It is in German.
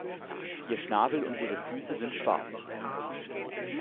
Ihr Schnabel und ihre Füße sind schwarz.